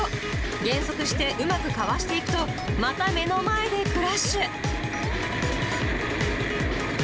減速してうまくかわしていくと、また目の前でクラッシュ。